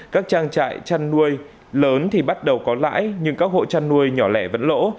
các trang trại chăn nuôi lớn thì bắt đầu có lãi nhưng các hộ chăn nuôi nhỏ lẻ vẫn lỗ